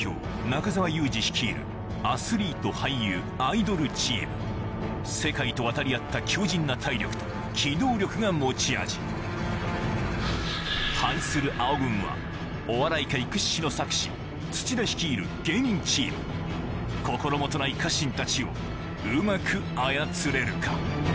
中澤佑二率いるアスリート俳優アイドルチーム世界と渡り合った強靱な体力と機動力が持ち味対する青軍はお笑い界屈指の策士土田率いる芸人チーム心もとない家臣たちをうまく操れるか？